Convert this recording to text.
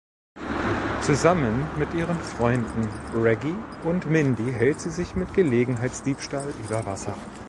Zusammen mit ihren Freunden Reggie und Mindy hält sie sich mit Gelegenheitsdiebstahl über Wasser.